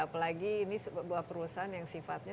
apalagi ini sebuah perusahaan yang sifatnya